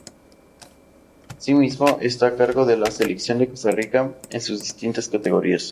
Asimismo, está al cargo de la Selección de Costa Rica en sus distintas categorías.